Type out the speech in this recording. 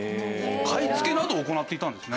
買い付けなどを行っていたんですね。